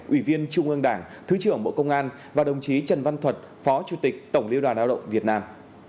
ủy viên trung ương đảng thứ trưởng bộ công an và đồng chí trần văn thuật phó chủ tịch tổng liên đoàn lao động việt nam